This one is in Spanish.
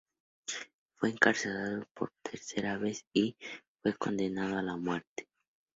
Fue encarcelado por tercera vez y fue condenado a muerte.